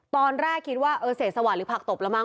ตอนแรกคิดว่าเสศวรรษหรือผักตบละมั้ง